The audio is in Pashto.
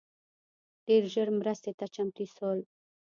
ډېر ژر مرستي ته چمتو سول